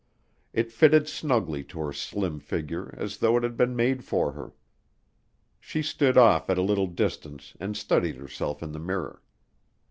It fitted snugly to her slim figure as though it had been made for her. She stood off at a little distance and studied herself in the mirror.